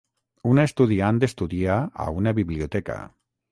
Una estudiant estudia a una biblioteca.